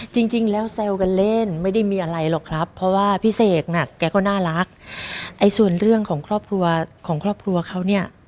จริงแล้วแซวกันเล่นไม่ได้มีอะไรหรอกครับเพราะว่าพี่เสกน่ะแกก็น่ารักไอ้ส่วนเรื่องของครอบครัวของครอบครัวเขาเนี่ย